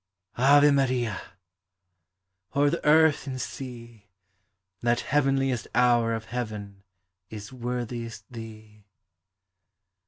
Ave Maria! o'er the earth and sea, That heavenliest hour of heaven is worthiest thee.